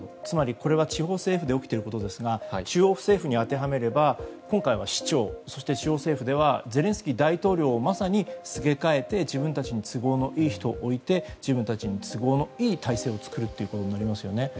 つまり、これは地方政府で起きていることですが中央政府に当てはめれば今回は市長、そして中央政府ではゼレンスキー大統領をまさにすげ替えて自分たちの都合のいい人を置いて自分たちに都合のいい体制を作るということになりますよね。